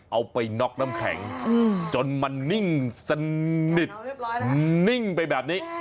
เอาไปน็อกน้ำแข็งจนมันนิ่งสนิทนิ่งไปแบบนี้